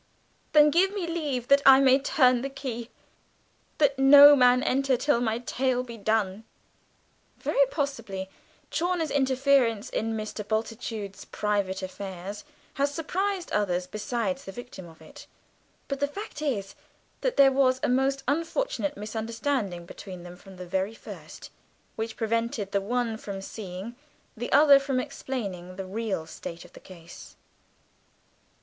"Then give me leave that I may turn the key, That no man enter till my tale be done." Very possibly Chawner's interference in Mr. Bultitude's private affairs has surprised others besides the victim of it; but the fact is that there was a most unfortunate misunderstanding between them from the very first, which prevented the one from seeing, the other from explaining, the real state of the case.